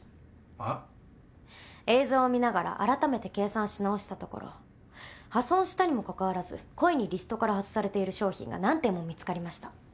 あぁ？映像を見ながら改めて計算し直したところ破損したにもかかわらず故意にリストから外されている商品が何点も見つかりました。